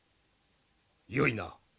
よいな。